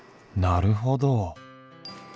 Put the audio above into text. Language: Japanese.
なるほど。